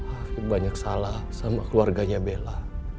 aku banyak salah sama keluarganya bella